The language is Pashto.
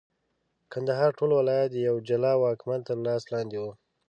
کندهار ټول ولایت د یوه جلا واکمن تر لاس لاندي وي.